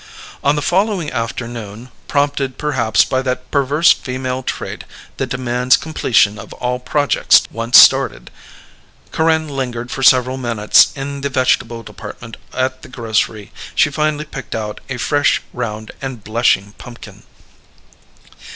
On the following afternoon prompted perhaps by that perverse female trait which demands completion of all projects once started Corinne lingered for several minutes in the vegetable department at the grocery. She finally picked out a fresh, round and blushing pumpkin.